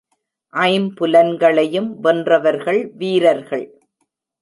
ஐம்புலன்களையும் வென்றவர்கள் வீரர்கள்.